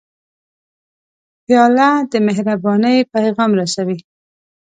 پیاله د مهربانۍ پیغام رسوي.